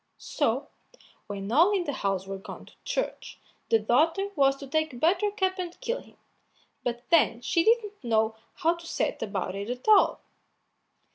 So, when all in the house were gone to church, the daughter was to take Buttercup and kill him, but then she didn't know how to set about it at all.